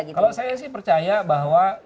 kalau saya sih percaya bahwa